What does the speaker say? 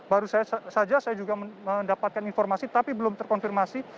baru saja saya juga mendapatkan informasi tapi belum terkonfirmasi